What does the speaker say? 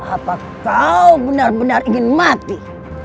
apakah kau benar benar ingin mati